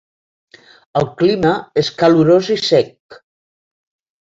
El clima és calorós i sec.